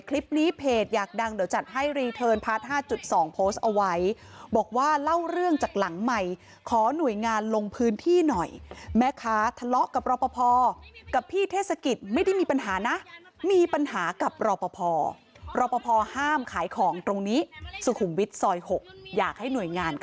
คลิปนี้เพจอยากดัง